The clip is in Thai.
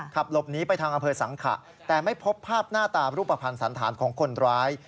ขับหลบหนีไปทางอำเภอสังขะแต่ไม่พบภาพหน้าตารูปภัณฑ์สันธารของคนร้าย